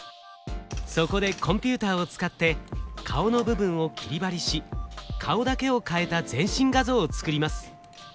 そこでコンピューターを使って顔の部分を切り貼りし顔だけを替えた全身画像を作ります。